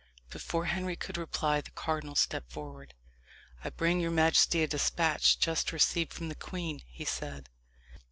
Before Henry could reply, the cardinal stepped forward. "I bring your majesty a despatch, just received from the queen," he said.